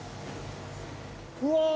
うわ！